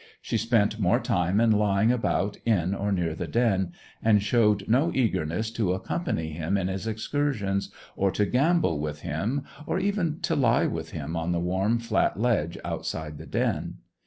She spent more time in lying about in or near the den, and showed no eagerness to accompany him in his excursions, or to gambol with him, or even to lie with him on the warm, flat ledge outside the den.